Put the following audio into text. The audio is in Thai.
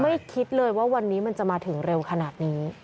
คิดเลยว่าวันนี้มันจะมาถึงเร็วขนาดนี้